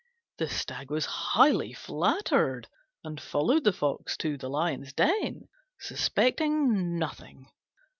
The Stag was highly flattered, and followed the Fox to the Lion's den, suspecting nothing.